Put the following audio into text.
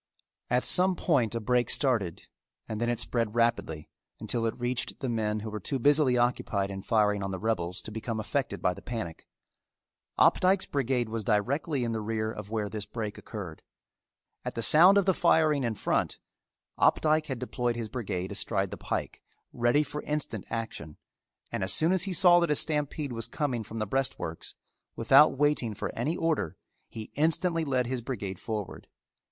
At some point a break started and then it spread rapidly until it reached the men who were too busily occupied in firing on the rebels to become affected by the panic. Opdycke's brigade was directly in the rear of where this break occurred. At the sound of the firing in front, Opdycke had deployed his brigade astride the pike, ready for instant action, and as soon as he saw that a stampede was coming from the breastworks, without waiting for any order, he instantly led his brigade forward.